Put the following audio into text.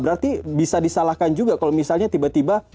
berarti bisa disalahkan juga kalau misalnya tiba tiba